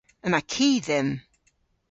Yma ki dhymm.